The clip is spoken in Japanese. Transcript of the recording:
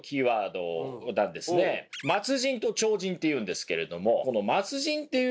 末人と超人っていうんですけれども。